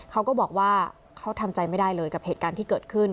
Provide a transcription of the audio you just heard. เขาก็บอกว่าเขาทำใจไม่ได้เลยกับเหตุการณ์ที่เกิดขึ้น